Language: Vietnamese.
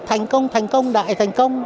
thành công thành công đại thành công